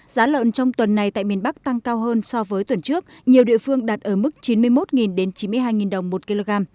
giá lợn trong tuần này tại miền bắc tăng cao hơn so với tuần trước nhiều địa phương đạt ở mức chín mươi một chín mươi hai đồng một kg